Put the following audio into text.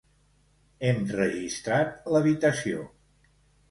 Hem registrat l'habitació.